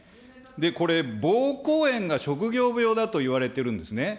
これ、ぼうこう炎が職業病だといわれているんですね。